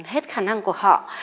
hết khả năng của họ